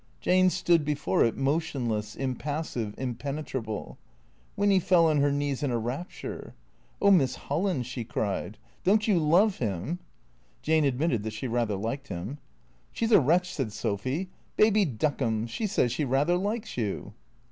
Jane stood before it motionless, impassive, impenetrable. Winny fell on her knees in a rapture. "Oh, Miss Holland!" she cried. "Don't you love him?" Jane admitted that she rather liked him. "She's a wretch," said Sophy. "Baby duckums, she says she rather likes you."